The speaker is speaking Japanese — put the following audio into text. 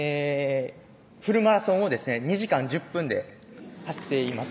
フルマラソンをですね２時間１０分で走っています